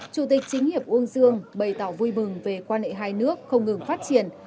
chủ tịch chính hiệp uông dương bày tỏ vui mừng về quan hệ hai nước không ngừng phát triển